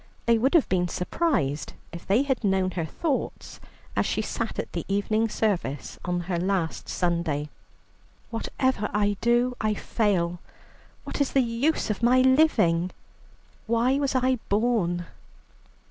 They would have been surprised if they had known her thoughts as she sat at the evening service on her last Sunday. "Whatever I do, I fail; what is the use of my living? Why was I born?"